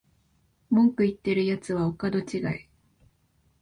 文句言ってるやつはお門違い